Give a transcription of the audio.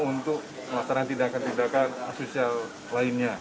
untuk melaksanakan tindakan tindakan asosial lainnya